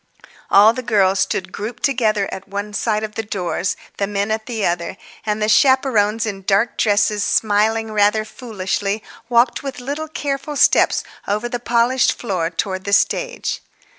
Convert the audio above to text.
All the girls stood grouped together at one side of the doors, the men at the other, and the chaperones in dark dresses, smiling rather foolishly, walked with little careful steps over the polished floor towards the stage.